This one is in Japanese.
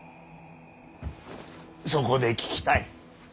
そこで聞きたい。